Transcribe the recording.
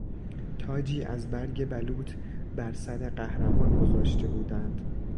تاجی از برگ بلوط بر سر قهرمان گذاشته بودند.